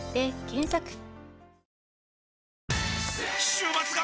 週末が！！